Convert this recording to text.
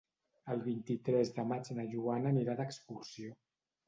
El vint-i-tres de maig na Joana anirà d'excursió.